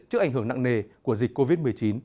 trước ảnh hưởng nặng nề của dịch covid một mươi chín